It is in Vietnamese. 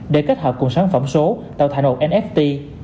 để kết hợp cùng sản phẩm số tạo thành hộp nft